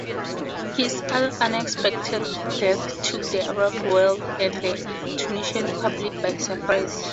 His unexpected death took the Arab world and the Tunisian public by surprise.